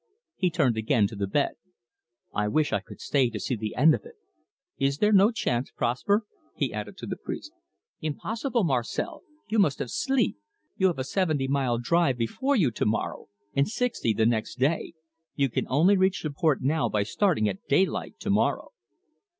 He turned again to the bed. "I wish I could stay to see the end of it. Is there no chance, Prosper?" he added to the priest. "Impossible, Marcel. You must have sleep. You have a seventy mile drive before you to morrow, and sixty the next day. You can only reach the port now by starting at daylight to morrow."